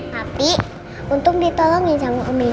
tapi untung ditolong ya jangan kamu ambil